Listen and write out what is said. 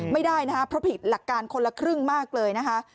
ไม่ได้นะคะเพราะผิดหลักการคนละครึ่งมากเลยนะคะ